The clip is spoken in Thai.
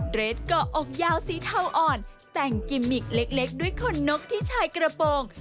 เรทเกาะอกยาวสีเทาอ่อนแต่งกิมมิกเล็กด้วยคนนกที่ชายกระโปรง